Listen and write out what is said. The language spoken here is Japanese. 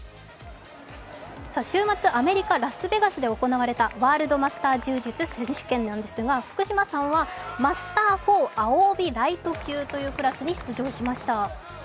週末、アメリカ・ラスベガスで行われたワールドマスター柔術選手権ですが、福島さんはマスター４青帯ライト級というクラスに出場しました。